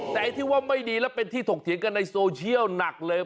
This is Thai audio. แต่ไอ้ที่ว่าไม่ดีและเป็นที่ถกเถียงกันในโซเชียลหนักเลย